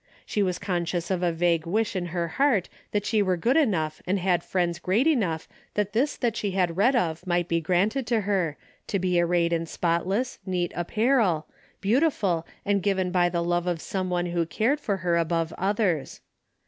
She was conscious of a vague wish in her heart that she were good enough and had friends great enough that this that she had read of might be granted to her, to be arrayed in spotless, neat apparel, beautiful, and given by the love of some one who cared for her above others.